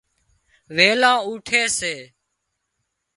ويلان اُُوٺي سي